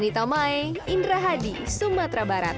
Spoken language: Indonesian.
anita mae indra hadi sumatera barat